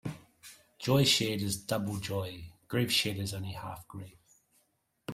Joy shared is double joy; grief shared is only half grief.